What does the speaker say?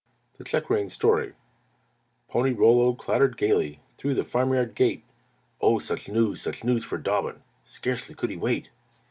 THE CHECK REIN STORY Pony Rollo clattered gayly Through the farmyard gate, Oh! such news! such news for Dobbin! Scarcely could he wait.